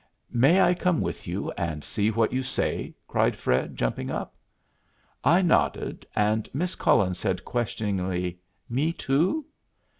"May I come with you and see what you say?" cried Fred, jumping up. I nodded, and Miss Cullen said, questioningly, "Me too?"